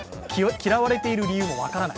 嫌われている理由も分からない。